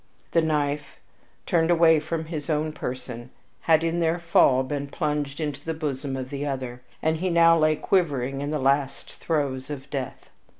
The knife, turned away from his own person, had in their fall been plunged into the bosom of the other, and he now lay quivering in the last throes of death.